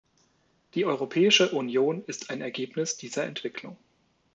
Die Europäische Union ist ein Ergebnis dieser Entwicklung.